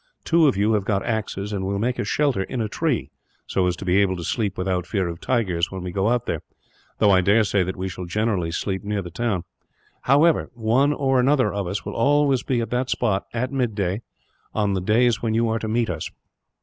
Two of you have got axes, and we will make a shelter in a tree; so as to be able to sleep without fear of tigers when we go out there, though I dare say that we shall generally sleep near the town. However, one or other of us will always be at the spot, at midday, on the days when you are to meet us.